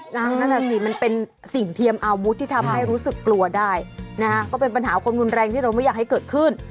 นั่นแหละสิมันเป็นสิ่งเทียมอาวุธที่ทำให้รู้สึกกลัวได้นะฮะก็เป็นปัญหาความรุนแรงที่เราไม่อยากให้เกิดขึ้น